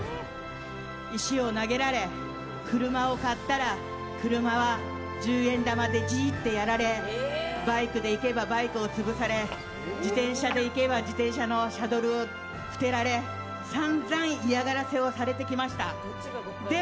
石を投げられ車を買ったら車は十円玉でジーってやられバイクで行けばバイクを潰され自転車で行けば自転車のサドルを捨てられ散々、嫌がらせをされてきました。